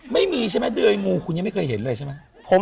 ไม่มีใช่ไหมเดยงูคุณยังไม่เคยเห็นเลยใช่ไหม